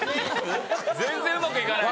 全然うまくいかないよ。